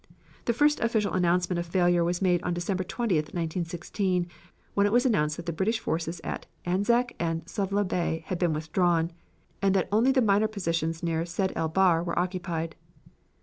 The first official announcement of failure was made December 20, 1916, when it was announced that the British forces at Anzac and Suvla Bay had been withdrawn, and that only the minor positions near Sedd el Bahr were occupied.